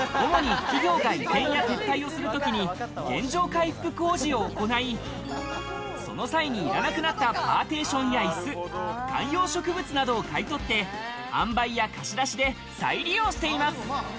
主に企業が移転などで対応する時に原状回復工事を行い、その際にいらなくなったパーテーションや椅子、観葉植物などを買い取って、販売や貸し出しで再利用しています。